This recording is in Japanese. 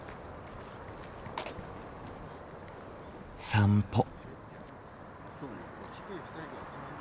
散歩。